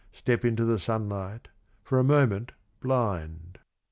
Step into the sunlight, for a moment blind.